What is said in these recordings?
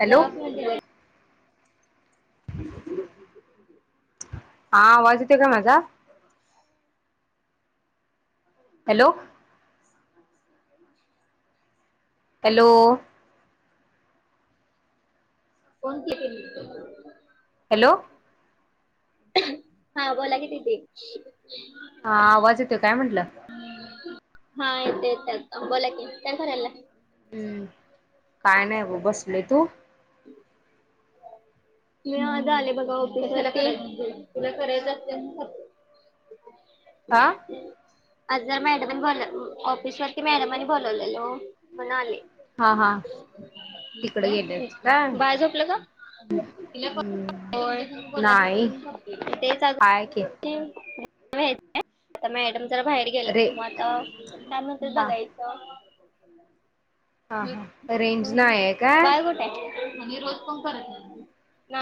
Hello हा, आवाज येतो काय माजा? हॅलो हॅलो [unintelligible] हॅलो हा, बोला की, दीदी हा, आवाज येतोय काय म्हटलं? हा येत - येताय आता, बोला की, काय करायला? हम्म, काय नाही व बसले, तू? मी आज आले बगा ऑफिसला, [unintelligible] आं आज जरा मॅडमनी ब, ऑफिस वरती मॅडमनी बोलवलेलो. मनाले हा हा तिकडे गेलेच काय बाळ झोपलं का? हम्म होय नाही तेच हाय की आगं मॅडम जरा बाहेर रे गेलेत म आता काय मनतेत हा बगायच. [unintelligible] हा हा रेंज नाही आहे काय बाळ कुठंय?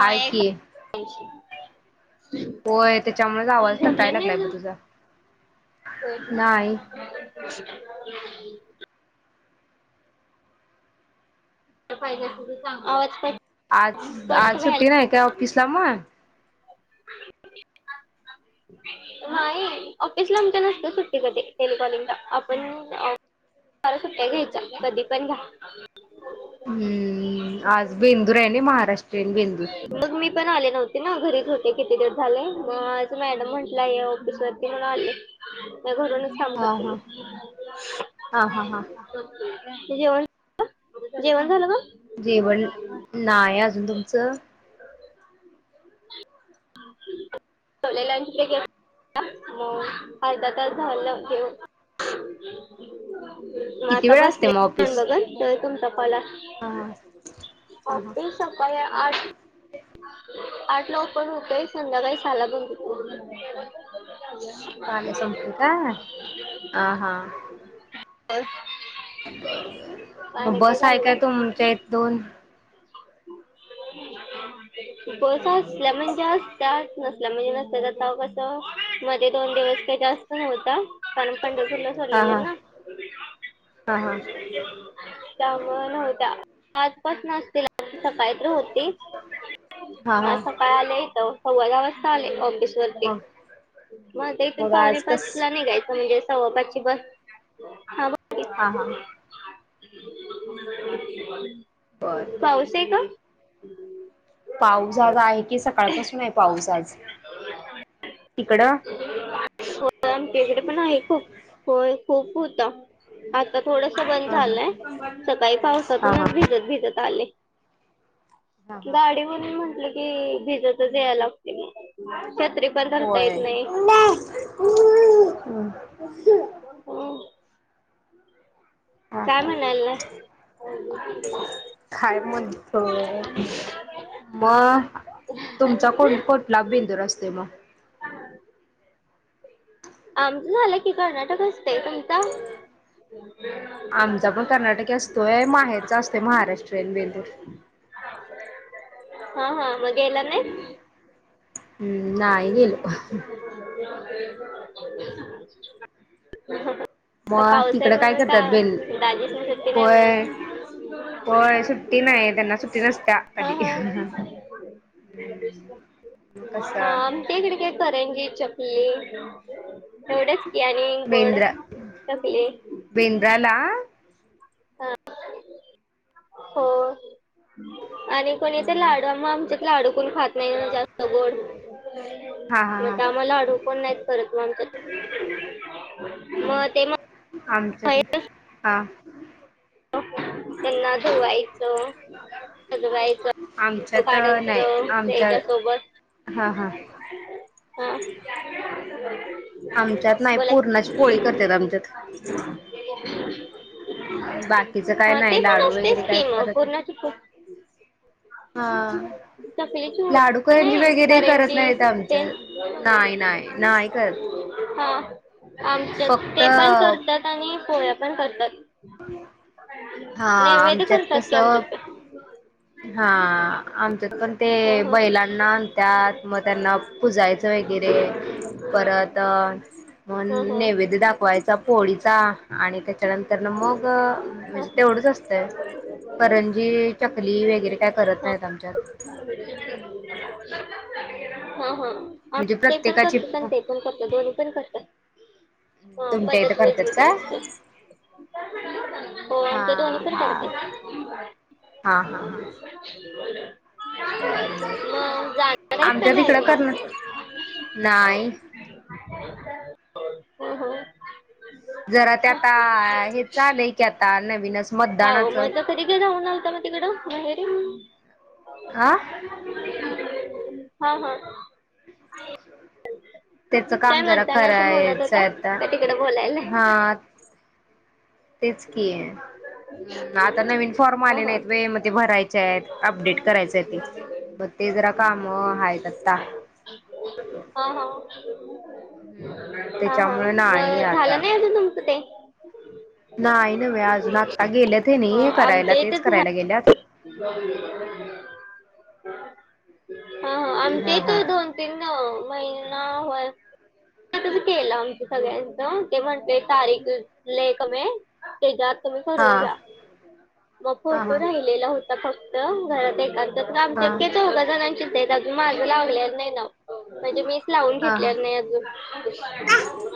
हाय की करायचे. होय त्याच्यामुळेच आवाज झोपल्या नाही कटायलागलाय ब अजून? तुजा. [unintelligible] पाहिजे तुझं चांगलं. आवाज कट आज कट आज व्हायला सुट्टी नाही काय ऑफिस ला मग? नाई ऑफिसला आमच्या नसते सुट्टी कदी टेलिकॉलिंगला आपन अ. बारा सुट्या घ्यायच्या कदी पन घ्या. हम्म आज बेंदूरेने महाराष्ट्रीयन बेंदूर. मग मी पन आले नव्हते ना घरीच होते किती दीवस झाले म आज मॅडम म्हटल्या य ऑफिसवर म्हणून आले, नई तर घरूनच काम हा करते मी. हा हा हा हा जेवन जेवन झालं का? जेवन नाई अजून तुमचं. [inaudible] [inaudible] आर्ध तर झालं जेवन. मग किती आता वेळ आसते बसले म फोन ऑपीस? बघत तर तुमचं पला, हा हा ऑपीस सकाळी आट. आट ला ऑफ पन होतंय संध्याकाळी सहाला बंद. चाल संपते का हा हा वय. बस ऐकाय तुमच्या इथ दोन? बस असल्या म्हणजे असतात नस म्हणजे नसत तरव कस मध्ये दोन दिवस काही जास्त नव्हता. काल पंढरपूरला हा सोडलेले हा ना. हा हा त्यामुळं नव्हत्या आजपासनच. सकाळी तर होती हा हा सकाळ आल्या हितं. सव्वादा वाजता आले ऑफिस वरती मग मग ते पावणे आज कस पाचला निघायचं म्हणजे अस सव्वा दहाची बस ह हो. हा हा ह [unintelligible] बर. चेग? पाऊस आज आहे की सकाळपासून आहे पाऊस आज. तिकडं? हो आमच्या इकडे पण आहे खूप होय खूप होता. आता थोडस बंद हा हा झालंय सकाळी हा पावसातूनच हा भिजत भिजत आले. हा हा गाडी होऊन म्हंटले की भिजतच यायला लागते की छत्री. पण धरता येत नाही. होय. [inaudible] हा काय हा म्हणालाय? काय म्हणतोय मग तुमचा कोण कोठला बेंदुर असतोय मग? आमचं झालं की कर्नाटकच ता आमचा पण कर्नाटक असतोय माहेरचा असतोय महाराष्ट्रीयन बेंदूर. हा हा मग गेला नई? हम्म नाही गेलो. [inaudible] ह ह ह तर मग पाऊस आहे तिकडं काय म्हणून का करतात बेन दाजीसण सुटती नाही म्हण. ते नाहीसु्टी त्यांना सु्टी नसत्या कधी. [unintelligible] कसा? ते केडक्या करेनगे करंजी चकली एवढच की आणि गोड बेंद्रा चकली. बेंद्राला? हा होय. आणि कोणी तर लाडूम आमच्यात लाडू कोण खात नाही ना जास्त गोड. हा मग हा त्यामुळे लाडू फोन नाही करत म्हणत्यातमंग ते मंग. आमच्यातले हा हो त्यांना धुवायचं. सजवायच आमच्यात काढायच नाही आमच्या त्याच्या सोबत. हा हा हा? आमच्यात नाही बोला की. पूर्णच पोळी करते आमच्यात. [inaudible] बाकीच काय हा ते नाही पण लाडू असतेच वगैरे की कायच मग करत नई. पुरणाची पोळी हा चकलीची लाडू वरण करंजी नाही वगैरे करत करंजी नाही ते आमच्यात नाही नाही नाही. करत हा आमच्यात फक्त ते पण करतात आणि पोळ्या पण करतात. हा नैवेद्य आमच्यात करतात की कसं आमच्यात. हा आमच्यात पण ते हं हं. बैलांना आणतात मग त्यांना पुजायचं वगैरे परत म हं हं. नैवेद्य दाखवायचा पोळीचा आणि त्याच्यानंत नंतर तर मग हं म्हणजे तेवढंच असतय करंजी चक ली वगैरे काय करत नाहीत आमच्यात हा हा आम म्हणजे ते पण प्रत्येकाची करत्यात पण ते पण करत्यात दोन्ही पण करतात. हा तुमच्या इथं पद्धत करतात वेगवेगळी काय? आहे. हो हा आमच्या दोन्ही पण हा करत्यात हा हा होय हा जा बर बर आहेत का आमच्या नाही तिकडं करणार मग? नाही. हं हं. जरा ते आता हे चालय की आता नवीनच मतदानाचं. तरी बी जाऊन आलता का तिकडं माहेरी अ हा हा. [inaudible] त्याच काय काम जरा मतदानाचं म्हणत करायचं होता आता का तिकडं बोलायला? हा. [inaudible] तेच कि हम् आता नवीन फॉर्म हा आले हा. नाहीत वे म ते भरायचे आहेत अपडेट करायच ते. मग ते जरा काम आहेत आत्ता. हा. हा. हम्म हा हा त्याच्यामुळे नाही मग झालं आता नाही अजून तुमचं ते. नाही नव्हे अजून आता गेलेत हे हं नाही करायला आमच्या तेच इथं झा करायला गेल्यात. हा हा आणि ते तर दोन तीन महिना होय तुझ केलं आमच्या सगळ्यांच ते म्हणतोय तारीख लय कमी त्याच्यात तुम्ही हा करून घ्या मग हा फोटो हा राहिलेला होता ता फक्त घरात एकाचच तर हा आमच्यात चौघा जणांचीच आहेत अजून माझं लावल्या नाही नाव म्हणजे मीच लावून हा हा घेतल्याल नाही अजून.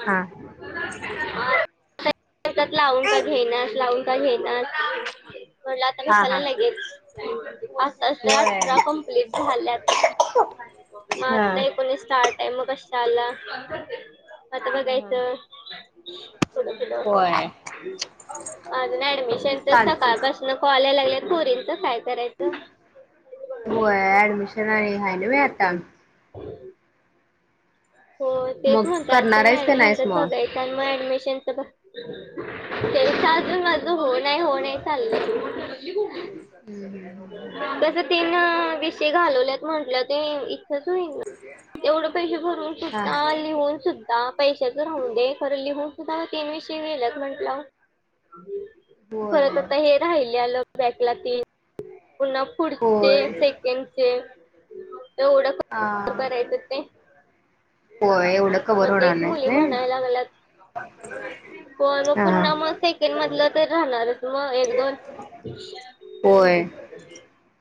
हा आ त्यात लावून का घेईनास लावून का घेईनास म्हटलं आता हा कशाला हा लगेच. आताच तर होय अठरा कम्प्लीट झाल्यात. म हा आता एकोणवीस स्टार्ट आहे मग कशाला. आता बघायचं पुढ पुढं होय अजून ऍडमिशन तर चालतंय सकाळपासून कॉल यायला लागल्या पोरींचा काय करायचं. होय ऍडमिशन आणि आहे ना आता [inaudible] हो तेच मग म्हणत्यात आज करणार त्याव्यकी आहेस का नाय नाहीस म्हणत्यात मग सगळे तर मग ऍडमिशनच [unintelligible] माझं होऊन नाही हो नाही चाललय हम् हम कस तीन विषय घालवलेत म्हंटलं ते इथेच होईल तेवढं पैसे भरून हा सुद्धा लिहून सुद्धा, पैशाचं राहून दे खरं लिहून सुद्धा तीन विषय गेल्यात म्हटल्यावर. परत होय आता हे राहिले आलं बॅकला तीन पुन्हा पुढचे होय सेकंडचे हा एवढं करायचं ते.. होय एवढं कव्हर मग होणार तेच नाहीत मुली नाही म्हणाय लागलेत. पणग पुन्हा हा मग सेकंड मधलं तर राहणारच मग एक दोन. होय.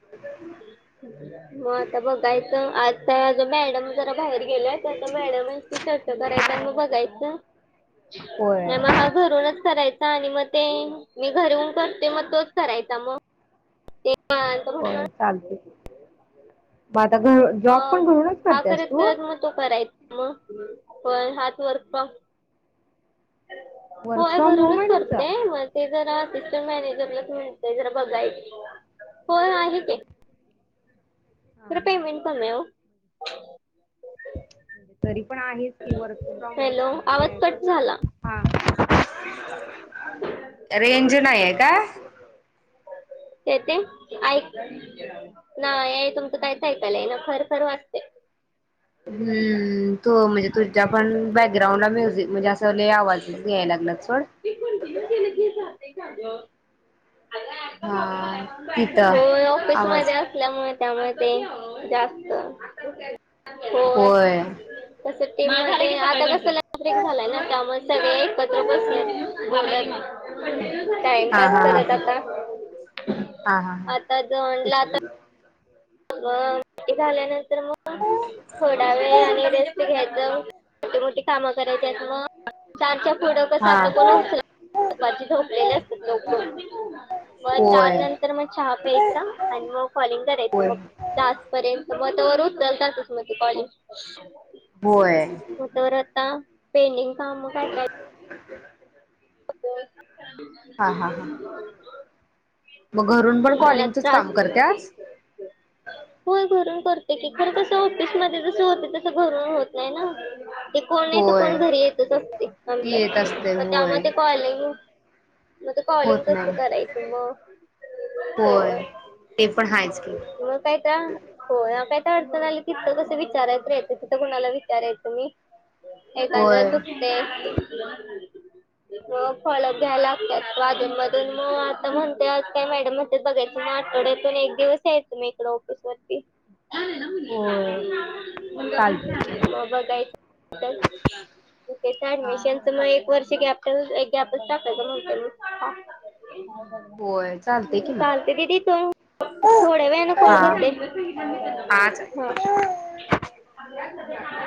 [inaudible] मग आता बघायचं आज काय अगं मॅडम. जरा बाहेर गेल तर मॅडमची चर्चा करायचा आणि मग बघायच. होय नाही मग हा घरूनच करायचा आणि मग. ते मी घरी येऊन करते मग तोच करायचा मग ते म्हटल. चालते मग आता घर जॉब मग पण घरूनच हा करतेस करत तू. करत मग तो करायचा मग पण हाच वर्क फ्रॉम वर्क होय फ्रॉम होम घरूनच आहे तुमचा करतेय म. ते जरा असिस्टंट मॅनेजरला तण जरा बघाय पण आहे की हा खरं हा पेमेंट कमी आहे ओ. तरी पण आहे की वर्क फ्रॉम हॅलो आवाज म्हणजे कट झाला कस हा. रेंज नाहीय काय? या येतंय ऐक. नाही हे तुमचं काही ऐलं आहे ना खर खरं वा असते. हम्म तू म्हणजे तुझ्या पण बॅकग्राउंडला म्युझिक म्हणजे अस. च आवाजात घ्याय लागला चोड.. ते कंटिन्यू केलं घेत राहात का अझं. हा तिथं होय आवाज ऑफिसमध्ये अस. असल्यामुळे त्यामुळे ते जास्त होय. तस ते आता कस ब्रेक झालाय ना त्यामुळे सगळे एकत्र बसलेत. हा टाइमपस हा करत आता. हा हा हा हा आता जंला आ. त्याच्या झाल्यानंतर मग वेळ रेस्ट घ्यायच मोठीे कामं करायचे आहेत. चारच्या पुढं हा कसात कोण उ झोपलेले असतात लोक मग त्या होय नंतर मग चहा प्यायचा आणि मग कॉलिंग करायच. होय. मग तासपर्यंत त्यावर चालतातच म होय तर आता पेंडिंग काम काय काय [unintelligible] हा हा हा मग घरून [unintelligible] पण तुम्हाला कॉलिंगचच त्रास काम करत्यास? होय घरून करते की खरं कसं ऑफिसमध्ये जसं होत तसं घरून होत नाही ना ते कोण नाहीतर होय कोण घरी येतच असतय आमच्या येत असते म त्याम होय कॉलिंग म ते कॉलिंग होत कस नाही करायचं म होय ते पण हाय आता होय काय तर अडचण आली की तिथं कसं विचाराय तरी येतंय इथं कुणाला विचारायचं मी एखादं होय. चुकते म फॉलोअप घ्यायला अधून मधून म आता म्हणतात त्या मॅडमच ते बघायचं म आठवड्यातून एक दिवस यायचं म इकडे ऑफिस वरती [inaudible] मुलगा पण छान चालतंय की. हाय हा बाबा काय करतात तेच ते हा ऍडमिशनच म एक वर्ष गॅप एक गॅपच टाकायच म्हणतोय होय चालतंय मी की मग. चालते दिदी तू थोड्या वेळाने हा. कॉल करते. हा. [unintelligible]